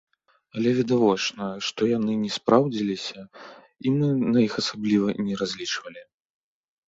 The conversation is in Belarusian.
Але відавочна, што яны не спраўдзіліся і мы на іх асабліва і не разлічвалі.